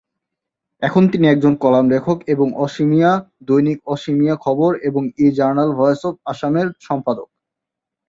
এখন তিনি একজন কলাম লেখক এবং অসমীয়া দৈনিক অসমীয়া খবর এবং ই-জার্নাল ভয়েস অফ আসামের সম্পাদক।